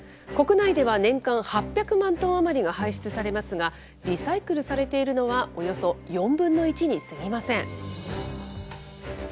国内では年間８００万トン余りが排出されますが、リサイクルされているのはおよそ４分の１にすぎません。